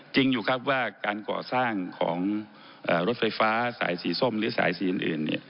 จริงอยู่ครับว่าการก่อสร้างของรถไฟฟ้าสายสีส้มหรือสายสีอื่น